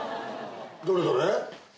どれどれ？